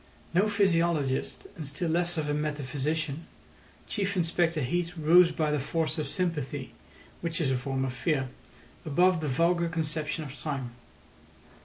No physiologist, and still less of a metaphysician, Chief Inspector Heat rose by the force of sympathy, which is a form of fear, above the vulgar conception of time.